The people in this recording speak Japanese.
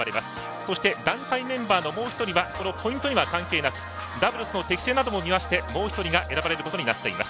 そして団体メンバーのもう１人はこのポイントは関係なくダブルスの適正なども見ましてもう１人が選ばれることになっています。